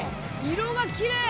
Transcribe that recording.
色がきれい！